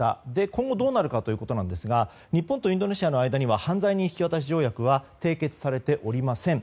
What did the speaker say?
今後どうなるかですが日本とインドネシアの間には犯罪人引渡条約は締結されておりません。